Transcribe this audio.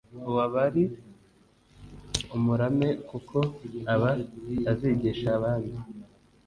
uwo aba ari umurame kuko aba azigisha abandi